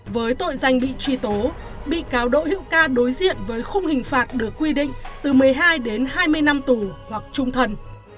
với tội danh bị truy tố bị cáo đỗ hữu ca đối diện với khung hình phạt được quy định từ một mươi hai đến hai mươi năm tù hoặc trung thần